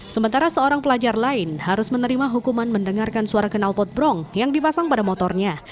sementara seorang pelajar lain harus menerima hukuman mendengarkan suara kenal potbrong yang dipasang pada motornya